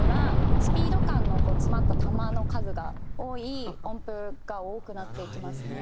スピード感の詰まった弾の数が多い音符が多くなっていきますね。